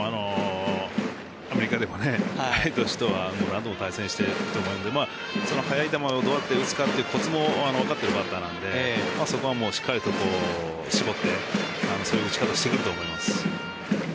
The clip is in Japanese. アメリカでも毎年何度も対戦していると思うのでその速い球をどうやって打つかというコツも分かっているバッターなのでそこはしっかりと絞ってそういう打ち方をしてくると思います。